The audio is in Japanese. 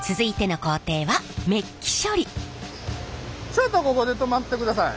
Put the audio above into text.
ちょっとここで止まってください。